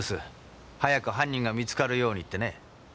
早く犯人が見つかるようにってね。